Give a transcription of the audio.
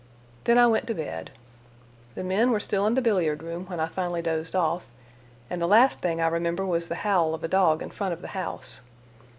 Then I went to bed. The men were still in the billiard room when I finally dozed off, and the last thing I remember was the howl of a dog in front of the house.